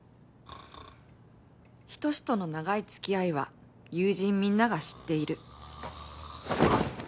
仁との長い付き合いは友人みんなが知っている。